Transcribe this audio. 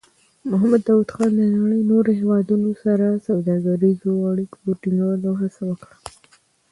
محمد داؤد خان د نړۍ نورو هېوادونو سره سوداګریزو اړیکو ټینګولو هڅه وکړه.